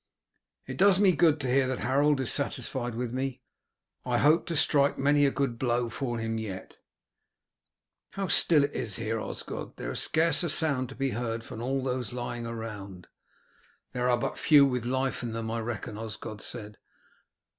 "It does me good to hear that Harold is satisfied with me. I hope to strike many a good blow for him yet." "How still it is here, Osgod! There is scarce a sound to be heard from all those lying round." "There are but few with life in them, I reckon," Osgod said.